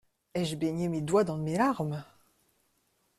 Ai-je baigné mes doigts dans mes larmes!